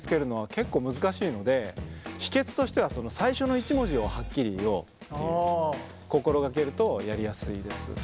結構難しいので秘けつとしては最初の１文字をはっきり言おうって心がけるとやりやすいです。